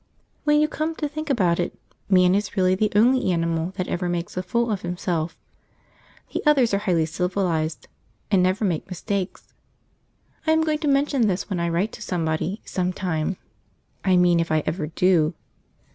When you come to think about it, man is really the only animal that ever makes a fool of himself; the others are highly civilised, and never make mistakes. I am going to mention this when I write to somebody, sometime; I mean if I ever do.